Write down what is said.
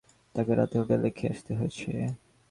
তাঁকে রাতে হোটেলে খেয়ে আসতে হয়েছে।